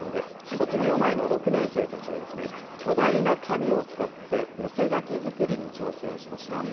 卒業前の６年生たちが、巨大な紙を使って寄せ書き作りに挑戦をしました。